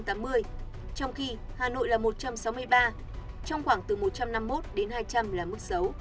trong khi hà nội là một trăm sáu mươi ba trong khoảng từ một trăm năm mươi một đến hai trăm linh là mức xấu